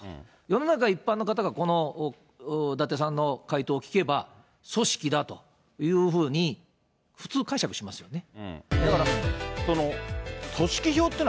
世の中一般の方がこの伊達さんの回答を聞けば、組織だというふうに普通、解釈しますよね。